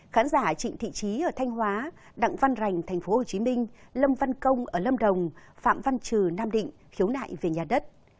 khán giả trịnh thị trí ở thanh hóa đặng văn rành tp hcm lâm văn công ở lâm đồng phạm văn trừ nam định khiếu nại về nhà đất